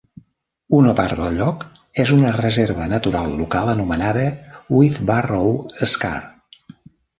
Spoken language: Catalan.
Una part del lloc és una reserva natural local anomenada Whitbarrow Scar.